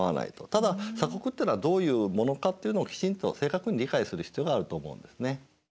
ただ鎖国ってのはどういうものかっていうのをきちんと正確に理解する必要があると思うんですね。